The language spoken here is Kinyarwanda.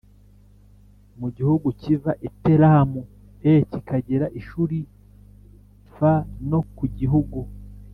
mu gihugu kiva i Telamu e kikagera i Shuri f no ku gihugu